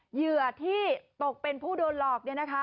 เหยื่อที่ตกเป็นผู้โดนหลอก